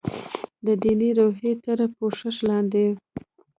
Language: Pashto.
د دیني روحیې تر پوښښ لاندې.